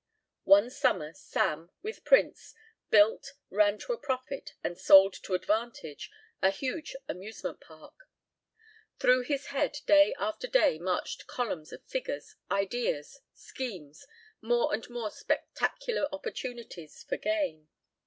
One summer Sam, with Prince, built, ran to a profit, and sold to advantage a huge amusement park. Through his head day after day marched columns of figures, ideas, schemes, more and more spectacular opportunities for gain.